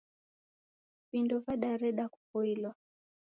Vindo vadareda kupoilwa.